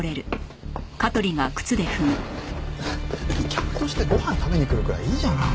客としてご飯食べに来るくらいいいじゃない。